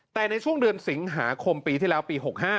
แต่ในช่วงเดือนสิงหาคมปีที่แล้วปี๖๕